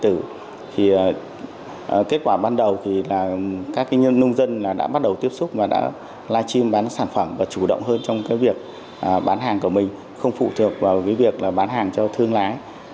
thì kết quả ban đầu thì các nông dân đã bắt đầu tiếp xúc và đã livestream bán sản phẩm và chủ động hơn trong việc bán hàng của mình không phụ thuộc vào việc bán hàng cho thương lái